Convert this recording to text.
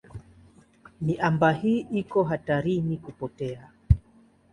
Miamba hii iko hatarini kupotea.